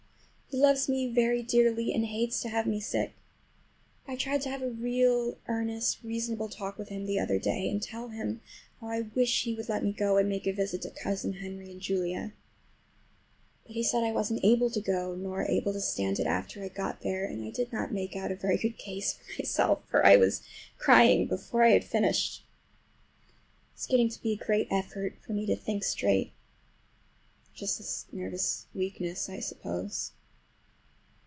He loves me very dearly, and hates to have me sick. I tried to have a real earnest reasonable talk with him the other day, and tell him how I wish he would let me go and make a visit to Cousin Henry and Julia. But he said I wasn't able to go, nor able to stand it after I got there; and I did not make out a very good case for myself, for I was crying before I had finished. It is getting to be a great effort for me to think straight. Just this nervous weakness, I suppose.